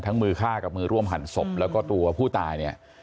มือฆ่ากับมือร่วมหั่นศพแล้วก็ตัวผู้ตายเนี่ย